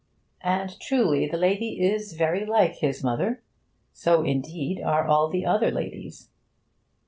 And truly, the lady is very like his mother. So, indeed, are all the other ladies.